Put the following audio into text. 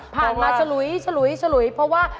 ผ่านมาฉลุ้ยเพราะว่า